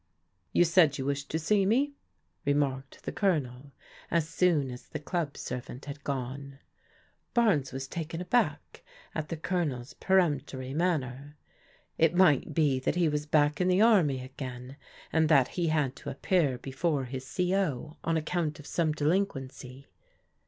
"You said you wished to see me," remarked the Colonel as soon as the club servant had gone. Barnes was taken aback at the Colonel's peremptory manner. It might be that he was back in the army again, and that he had to appear before his C. O. on ac count of some delinquency.